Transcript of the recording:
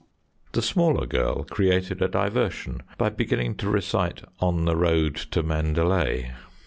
The smaller girl created a diversion by beginning to recite "On the Road to Mandalay."